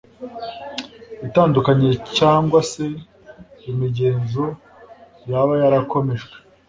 itandukanye cyangwa se imigenzo yaba yarakomejwe